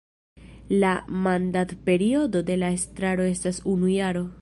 La mandatperiodo de la estraro estas unu jaro.